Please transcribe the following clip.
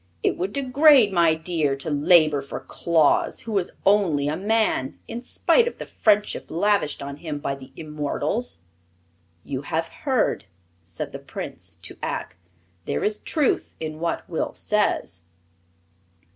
It would degrade my deer to labor for Claus, who is only a man in spite of the friendship lavished on him by the immortals." "You have heard," said the Prince to Ak. "There is truth in what Will says."